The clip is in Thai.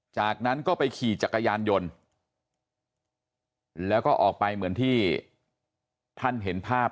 จากนั้นก็ไปขี่จักรยานยนต์แล้วก็ออกไปเหมือนที่ท่านเห็นภาพ